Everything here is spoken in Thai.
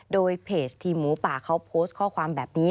โดยเพจทีมหมูป่าเขาโพสต์ข้อความแบบนี้